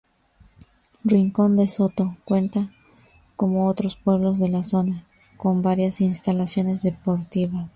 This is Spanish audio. Rincón de Soto cuenta, como otros pueblos de la zona, con varias instalaciones deportivas.